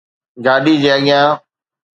گاڏي جي اڳيان